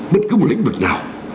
bất cứ một lĩnh vực nào